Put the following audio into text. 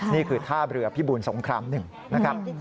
นี่คือทาบเรือพี่บูนสงครามหนึ่งนะครับ